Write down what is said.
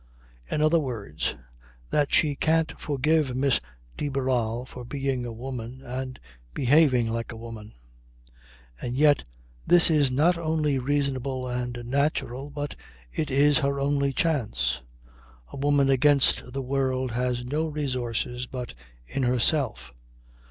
In other words, that she can't forgive Miss de Barral for being a woman and behaving like a woman. And yet this is not only reasonable and natural, but it is her only chance. A woman against the world has no resources but in herself.